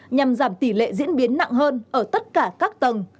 nhằm giảm tỷ lệ diễn biến nặng hơn ở tất cả các tầng